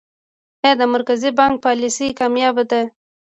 آیا د مرکزي بانک پالیسي کامیابه ده؟